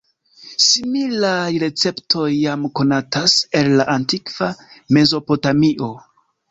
Similaj receptoj jam konatas el la antikva Mezopotamio.